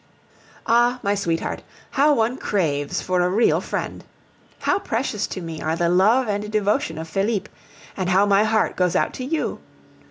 Ah! my sweetheart, how one craves for a real friend! How precious to me are the love and devotion of Felipe, and how my heart goes out to you!